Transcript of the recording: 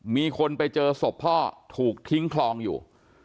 มีคนไปเจอศพพ่อถูกทิ้งคลองอยู่